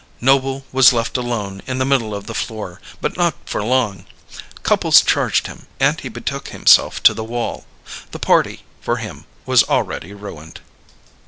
Noble was left alone in the middle of the floor, but not for long. Couples charged him, and he betook himself to the wall. The party, for him, was already ruined.